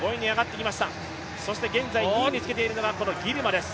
そして現在２位につけているのが、ギルマです。